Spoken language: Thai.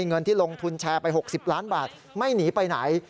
เงินที่ลงทุนแชร์ไป๖๐ล้านบาทไม่หนีไปไหน